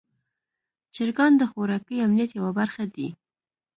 چرګان د خوراکي امنیت یوه برخه دي.